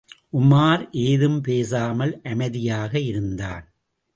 உமார் ஏதும் பேசாமல் அமைதியாக இருந்தான்.